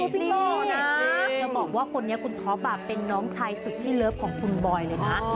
จะบอกว่าคนนี้คุณท็อปเป็นน้องชายสุดที่เลิฟของคุณบอยเลยนะ